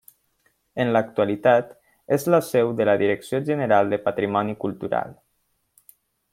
En l’actualitat és la seu de la Direcció General de Patrimoni Cultural.